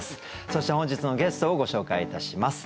そして本日のゲストをご紹介いたします。